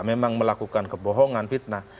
memang melakukan kebohongan fitnah